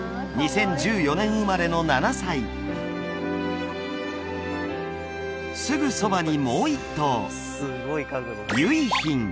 ２０１４年生まれの７歳すぐそばにもう一頭結浜